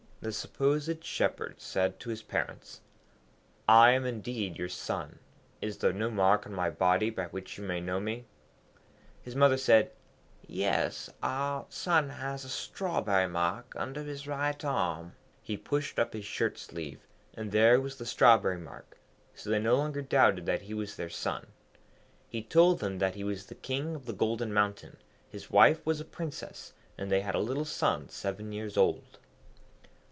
The supposed Shepherd said to his parents, 'I am indeed your son. Is there no mark on my body by which you may know me?' His mother said, 'Yes, our son has a strawberry mark under his right arm.' He pushed up his shirt sleeve, and there was the strawberry mark; so they no longer doubted that he was their son. He told them that he was the King of the Golden Mountain, his wife was a Princess, and they had a little son seven years old.